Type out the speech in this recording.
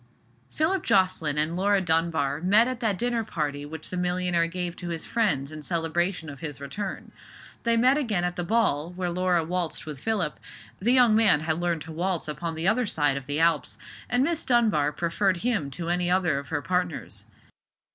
Philip Jocelyn and Laura Dunbar met at that dinner party which the millionaire gave to his friends in celebration of his return. They met again at the ball, where Laura waltzed with Philip; the young man had learned to waltz upon the other side of the Alps, and Miss Dunbar preferred him to any other of her partners.